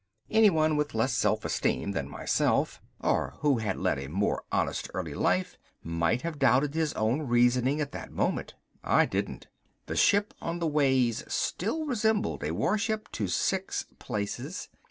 Anyone with less self esteem than myself or who had led a more honest early life might have doubted his own reasoning at that moment. I didn't. The ship on the ways still resembled a warship to six places.